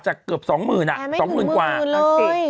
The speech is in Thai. จากเกือบ๒๐๐๐๐อ่ะ๒๐๐๐๐กว่าแอร์ไม่ถึง๒๐๐๐๐เลย